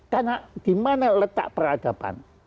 karena di mana letak peradaban